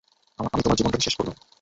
আমি তোমার জীবনটাকে শেষ করলাম।